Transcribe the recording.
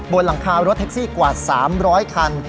บนหลังคารถแท็กซี่กว่า๓๐๐คัน